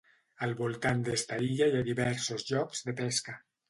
Al voltant d'esta illa hi ha diversos llocs de pesca.